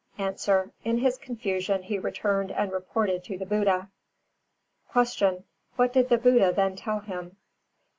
_ A. In his confusion he returned and reported to the Buddha. 352. Q. _What did the Buddha then tell him?